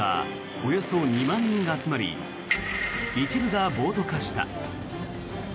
およそ２万人が集まり一部が暴徒化した。